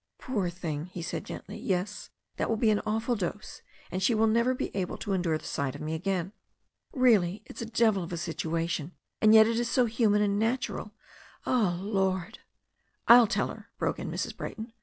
"Poor thing," he said gently, "yes, that will be an awful dose, and she will never be able to endure the sight of me again. Really, it's a devil of a situation, and yet it is so human and natural. Oh, Lord !" "I'll tell her," broke in Mrs. Brayton.